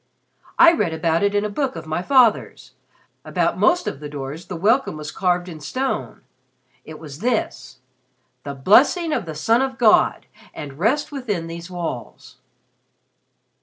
"I read about it in a book of my father's. About most of the doors the welcome was carved in stone. It was this 'The Blessing of the Son of God, and Rest within these Walls.'"